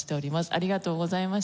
ありがとうございます。